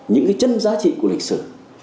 những cái chân giá trị của lịch sử